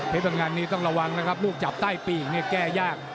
พังงานนี้ต้องระวังนะครับลูกจับใต้ปีกเนี่ยแก้ยาก